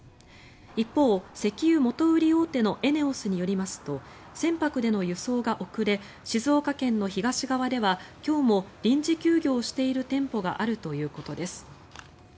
一方、石油元売り大手のＥＮＥＯＳによりますと船舶での輸送が遅れ静岡県の東側では今日も臨時休業している店舗があるということです。